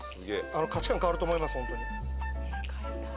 価値観変わると思いますほんとに。